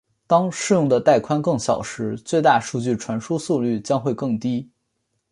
当适用的带宽更小时最大数据传输速率将会更低。